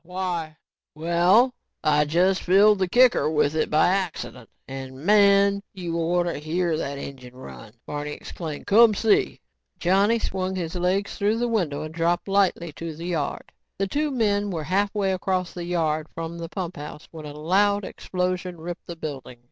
"Yeh, why?" "Well, I just filled the kicker with it by accident, and man, you orter hear that engine run," Barney exclaimed. "Come see." Johnny swung his legs through the window and dropped lightly to the yard. The two men were halfway across the yard from the pumphouse when a loud explosion ripped the building.